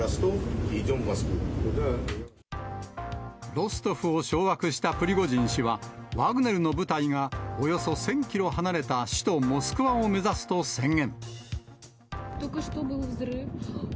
ロストフを掌握したプリゴジン氏は、ワグネルの部隊がおよそ１０００キロ離れた首都モスクワを目指すと宣言。